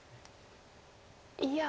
いや。